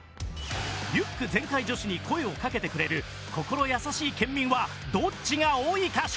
リュック全開女子に声をかけてくれる心優しい県民はどっちが多いか勝負。